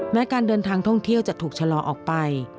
การเดินทางท่องเที่ยวจะถูกชะลอออกไป